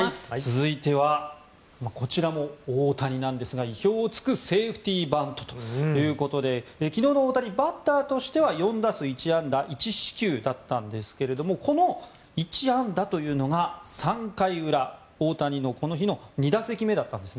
続いてはこちらも大谷なんですが意表を突くセーフティーバントということで昨日の大谷、バッターとしては４打数１安打１四球でしたがこの１安打というのが３回裏大谷のこの日の２打席目だったんです。